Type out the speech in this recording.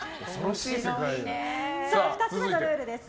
２つ目のルールです。